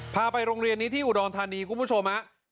พาไปโรงเรียนนี้ที่อุดรธานีคุณผู้ชมฮะ